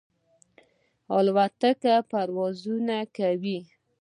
الوتکې پروازونه کوي.